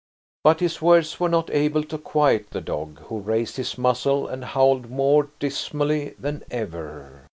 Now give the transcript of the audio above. But his words were not able to quiet the dog, who raised his muzzle and howled more dismally than ever.